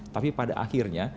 tapi pada akhirnya